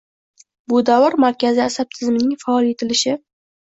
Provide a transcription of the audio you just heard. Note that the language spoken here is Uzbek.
Bu davr markaziy asab tizimining faol yetilishi